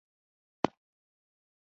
د بوميانو د ځمکو قانون تصویب شو.